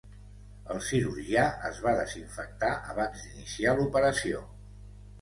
El cirurgià es va desinfectar abans d'iniciar l'operació.